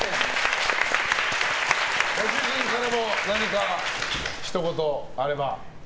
ご主人からも何かひと言あれば。